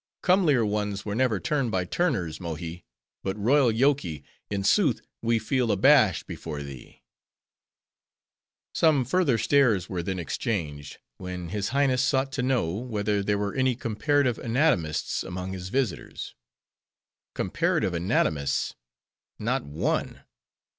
"Comelier ones were never turned by turners, Mohi. But royal Yoky! in sooth we feel abashed before thee." Some further stares were then exchanged; when His Highness sought to know, whether there were any Comparative Anatomists among his visitors. "Comparative Anatomists! not one."